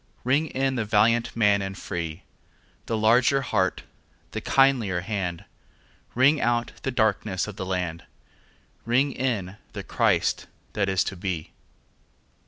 Ring in the valiant man and free, The larger heart, the kindlier hand; Ring out the darkenss of the land, Ring in the Christ that is to be.